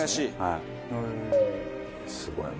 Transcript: すごい。